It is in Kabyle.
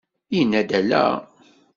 Yenna-d: ala!